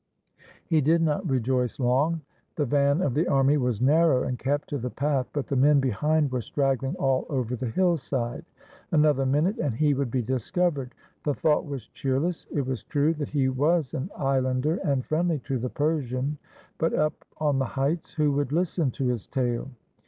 He did not rejoice long. The van of the army was narrow and kept to the path, but the men behind were straggling all over the hillside. Another minute and he would be discovered. The thought was cheerless. It was true that he was an islander and friendly to the Per sian, but up on the heights who would listen to his tale?